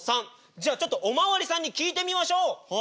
じゃあちょっとお巡りさんに聞いてみましょう。